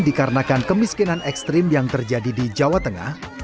dikarenakan kemiskinan ekstrim yang terjadi di jawa tengah